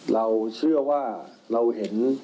เราเชื่อว่าเราเห็น